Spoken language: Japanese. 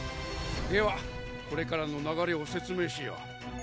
ではこれからの流れを説明しよう。